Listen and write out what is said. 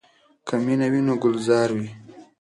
که مینه وي نو ګلزار وي.